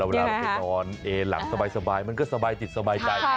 เวลาเราไปนอนเอหลังสบายมันก็สบายจิตสบายใจ